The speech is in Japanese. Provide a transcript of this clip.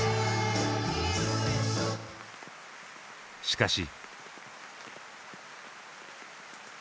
しかし。